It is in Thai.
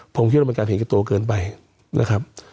ผมคิดว่าเป็นการเห็นกับตัวเกินไปนะครับ